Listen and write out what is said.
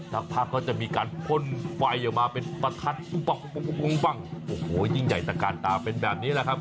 สักพักก็จะมีการพ่นไฟออกมาเป็นประทัดโอ้โหยิ่งใหญ่ตะการตาเป็นแบบนี้แหละครับ